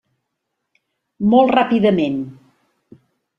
Molt ràpidament.